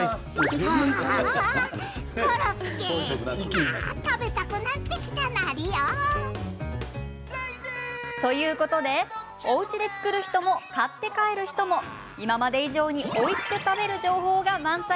あ食べたくなってきたナリよ。ということで、おうちで作る人も買って帰る人も今まで以上においしく食べる情報が満載。